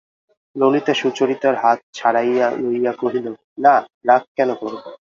ললিতা সুচরিতার হাত ছাড়াইয়া লইয়া কহিল, না, রাগ কেন করব?